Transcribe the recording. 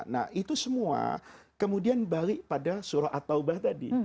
nah itu semua kemudian balik pada surah at taubah tadi